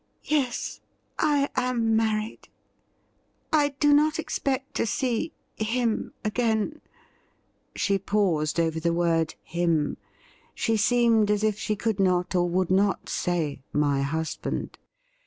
' Yes, I am married. I do not expect to see him again.' She paused over the word ' him '; she seemed as if she could not or would not say 'my husband.'